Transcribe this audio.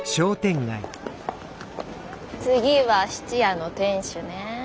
次は質屋の店主ね。